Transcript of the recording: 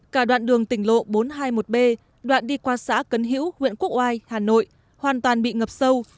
cả đoạn đường tỉnh lộ bốn trăm hai mươi một b đoạn đi qua xã cấn hữu huyện quốc oai hà nội hoàn toàn bị ngập sâu